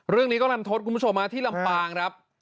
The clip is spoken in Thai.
เรื่องนี้ก็ลันทศคุณผู้ชมที่ลำปางครับ